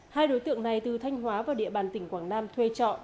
hai đối tượng này từ thanh hóa vào địa bàn tỉnh quảng nam thuê trọ